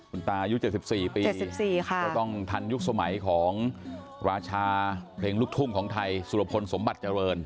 คุณตายุ๗๔ปีก็ต้องทันยุคสมัยของราชาเพลงลูกทุ่งของไทยสุรพลสมบัติเจริญ